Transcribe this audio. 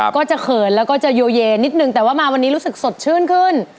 ก็จะเขินแล้วก็จะโยเยนิดนึงแต่ว่ามาวันนี้รู้สึกสดชื่นขึ้น